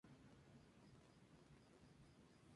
El ciclo de vida es perenne.